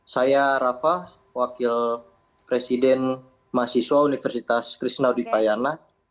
saya rafa wakil presiden mahasiswa universitas krishnaudipayana